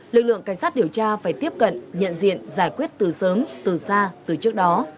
lực lượng cảnh sát điều tra phải tiếp cận nhận diện giải quyết từ sớm từ xa từ trước đó